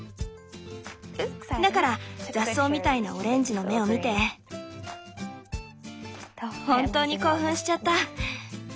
だから雑草みたいなオレンジの芽を見て本当に興奮しちゃった！